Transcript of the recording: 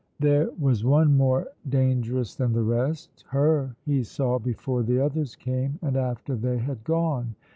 There was one more dangerous than the rest. Her he saw before the others came and after they had gone.